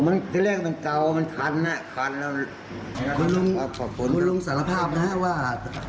ผมมันที่เรียกเป็นเก่ามันทันแล้วคุณลุงสารภาพนะครับว่า